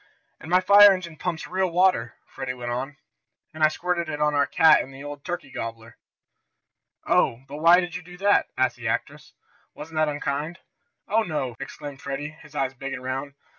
"And my fire engine pumps real water," Freddie went on, "and I squirted it on our cat and on the old turkey gobbler." "Oh, but why did you do that?" asked the actress. "Wasn't that unkind?" "Oh, no!" exclaimed Freddie, his eyes big and round.